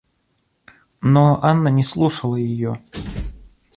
Но Анна не слушала ее.